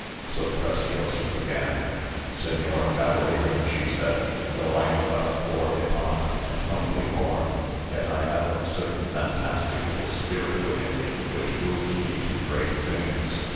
So Preciosa began. "Señor cavalier," she said, "though I am but a poor gitana and humbly born, yet I have a certain fantastic little spirit within me, which moves me to great things.